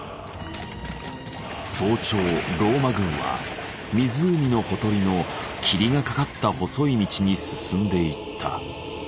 早朝ローマ軍は湖のほとりの霧がかかった細い道に進んでいった。